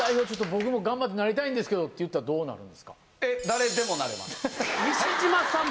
僕も頑張ってなりたいんですけどって言ったらどうなるんですか？